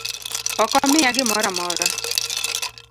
Ok omiya gimoramora